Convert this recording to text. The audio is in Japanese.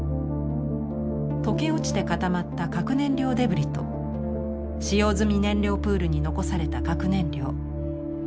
溶け落ちて固まった核燃料デブリと使用済み燃料プールに残された核燃料。